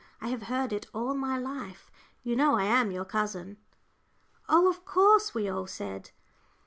I have heard it all my life. You know I am your cousin." "Oh, of course," we all said.